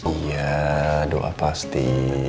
iya doa pasti